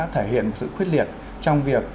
thể hiện sự khuyết liệt trong việc